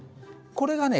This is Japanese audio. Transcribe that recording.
これがね